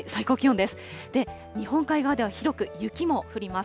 で、日本海側では、広く雪も降ります。